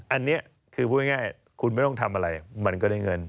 อันนี้คือพูดง่ายคุณไม่ต้องทำอะไรมันก็ได้เงิน